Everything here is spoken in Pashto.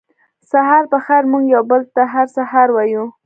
سهار پخېر موږ یو بل ته هر سهار وایو